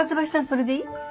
それでいい？